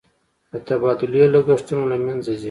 د تبادلې لګښتونه له منځه ځي.